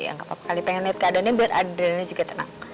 nggak apa apa kali pengen lihat keadaannya biar andriana juga tenang